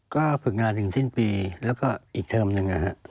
ก็ฝึกงานถึงสิ้นปีแล้วก็อีกเทอมหนึ่ง